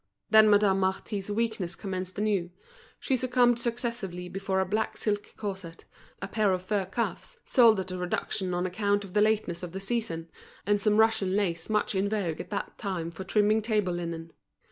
Then Madame Marty's weakness commenced anew; she succumbed successively before a black silk corset, a pair of fur cuffs, sold at a reduction on account of the lateness of the season, and some Russian lace much in vogue at that time for trimming table linen.